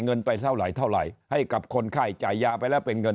เงินไปเท่าไหร่เท่าไหร่ให้กับคนไข้จ่ายยาไปแล้วเป็นเงิน